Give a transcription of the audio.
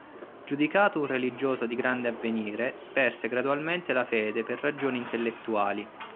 Giudicato un religioso di grande avvenire, perse gradualmente la fede per ragioni intellettuali.